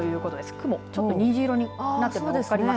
雲、ちょっと虹色になっています。